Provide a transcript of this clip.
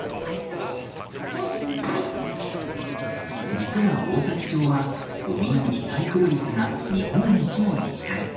実は大崎町はゴミのリサイクル率が日本一の自治体。